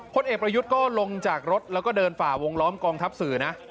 เอกประยุทธ์ก็ลงจากรถแล้วก็เดินฝ่าวงล้อมกองทัพสื่อนะ